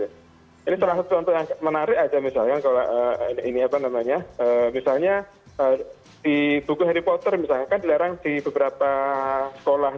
ini salah satu contoh yang menarik aja misalnya kalau ini apa namanya misalnya di buku harry potter misalkan dilarang di beberapa sekolah